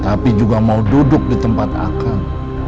tapi juga mau duduk di tempat akal